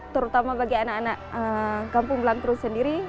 terutama bagi anak anak kampung belangkru sendiri